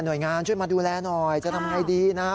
หน่วยงานช่วยมาดูแลหน่อยจะทำอะไรดีนะ